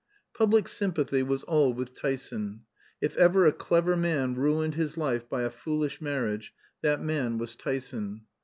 Public sympathy was all with Tyson. If ever a clever man ruined his life by a foolish marriage, that man was Tyson.